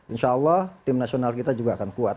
insya allah tim nasional kita juga akan kuat